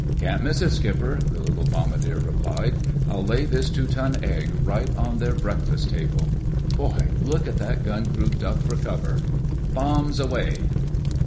"Can't miss it, Skipper!" the little bombardier replied. "I'll lay this two ton egg right on their breakfast table. Boy! Look at that gun crew duck for cover.... _Bombs away!